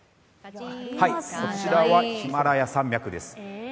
こちらはヒマラヤ山脈です。